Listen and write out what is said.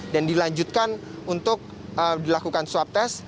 dan dilanjutkan untuk dilakukan swab tes